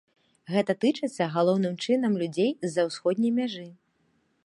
Гэта тычыцца галоўным чынам людзей з-за ўсходняй мяжы.